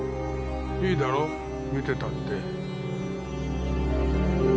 いいだろ見てたって。